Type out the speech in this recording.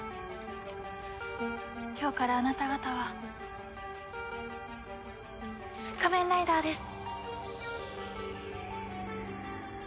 今日からあなた方は仮面ライダーです！